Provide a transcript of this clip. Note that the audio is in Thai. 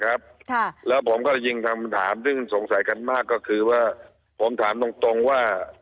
ค่ะแล้วผมก็ยิงทางปัญหาซึ่งสงสัยกันมากก็คือว่าผมถามตรงตรงว่า